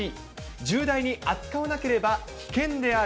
重大に扱わなければ危険である。